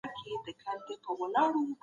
ماشومان بايد په کور کي مطالعه وکړي.